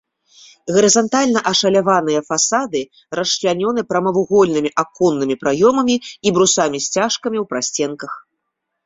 Гарызантальна ашаляваныя фасады расчлянёны прамавугольнымі аконнымі праёмамі і брусамі-сцяжкамі ў прасценках.